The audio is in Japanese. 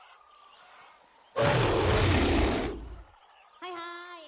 ・はいはい！